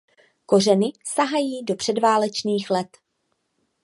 Kořeny sahají do předválečných let.